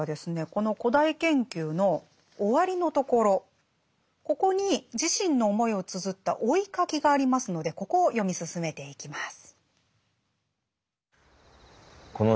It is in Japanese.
この「古代研究」の終わりのところここに自身の思いをつづった「追ひ書き」がありますのでここを読み進めていきます。